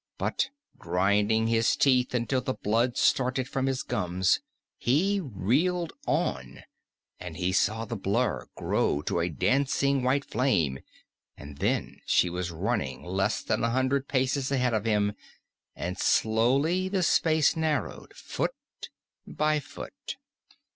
But grinding his teeth until the blood started from his gums, he reeled on, and he saw the blur grow to a dancing white flame, and then she was running less than a hundred paces ahead of him, and slowly the space narrowed, foot by foot.